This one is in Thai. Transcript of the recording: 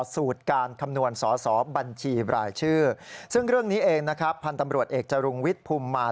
ซึ่งเรื่องนี้เองนะครับพันธ์ตำรวจเอกจรุงวิทธิ์ภูมิมา